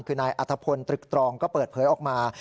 คือนายอัธพลตรึกตรองก็เปิดเผยออกมา